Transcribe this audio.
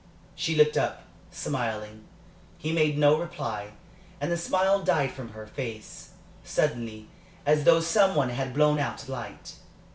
She looked up, smiling. He made no reply, and the smile died from her face, suddenly, as though some one had blown out a light.